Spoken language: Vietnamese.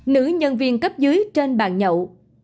nữ nhân viên cấp dưới trên bàn nhậu